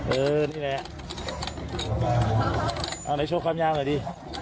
เออนี่แหละเอาไหนโชว์ความยาวหน่อยดิ